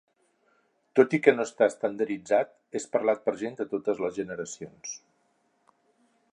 Tot i que no està estandarditzat, és parlat per a gent de totes les generacions.